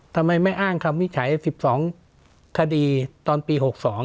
ทำไมไม่อ้างคำวิจัย๑๒คดีตอนปี๖๒